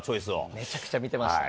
めちゃくちゃ見てました。